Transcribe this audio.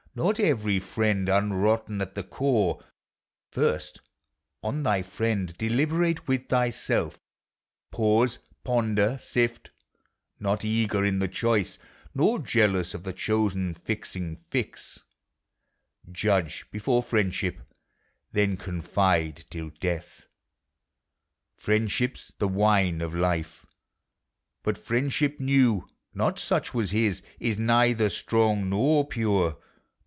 Nor every friend unrotten at the core ; First, on thy friend, deliberate with thyself, Pause, ponder, sift; not eager in the choice, Nor jealous of the chosen; fixing, fix; Judge before friendship, then confide till death. •••■• Friendship 's the wine of life; but friendship new ( Not such was his) is neither strong, nor pure.